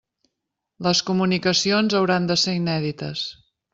Les comunicacions hauran de ser inèdites.